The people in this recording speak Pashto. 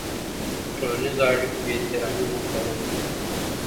د ټولنیزو اړیکو بېاحترامي مه کوه.